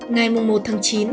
ngày một tháng chín